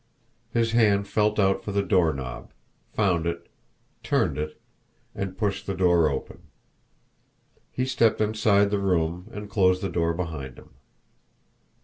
His hand felt out for the doorknob, found it, turned it, and pushed the door open. He stepped inside the room and closed the door behind him.